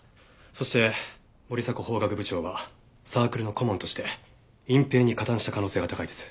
そして森迫法学部長はサークルの顧問として隠蔽に加担した可能性が高いです。